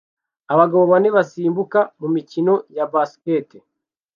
Abagabo bane basimbuka mumikino ya basket